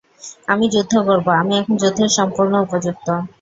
আমি যুদ্ধ করব আমি এখন যুদ্ধের সম্পূর্ণ উপযুক্ত।